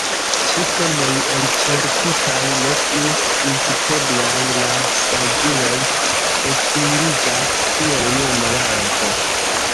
Ĉi semoj elĉerpitaj, ne plu inciteblaj, la saĝuloj estingiĝas kiel jena lampo.